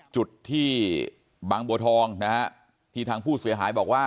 จุดที่บางบัวทองนะฮะที่ทางผู้เสียหายบอกว่า